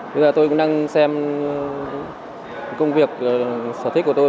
bây giờ tôi cũng đang xem công việc sở thích của tôi